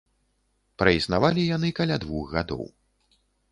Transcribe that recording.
Праіснавалі яны каля двух гадоў.